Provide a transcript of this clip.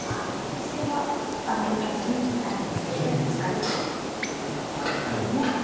実戦は打たずに単にツケてブツカリというところなんですね。